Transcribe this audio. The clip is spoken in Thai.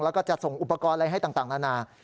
แล้วก็จะส่งอุปกรณ์อะไรให้ต่างนานา